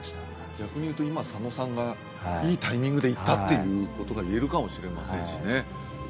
逆にいうと今左野さんがいいタイミングで行ったっていうことが言えるかもしれませんしね